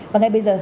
và ngay bây giờ